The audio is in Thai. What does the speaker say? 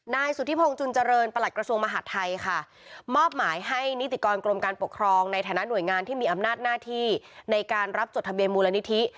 นายสุธิพงศ์จุนเจริญประหลัดกระทรวงมหาดไทยค่ะมอบหมายให้นิติกรมการปกครองในฐานะหน่วยงานที่มีอำนาจหน้าที่ในการรับจดทะเบียนมูลนิธิ